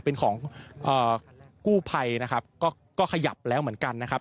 เป็นของกู้ภัยนะครับก็ขยับแล้วเหมือนกันนะครับ